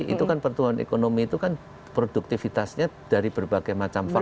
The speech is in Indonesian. itu kan pertumbuhan ekonomi itu kan produktivitasnya dari berbagai macam faktor